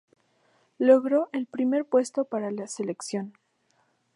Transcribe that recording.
Logró el primer puesto con la selección.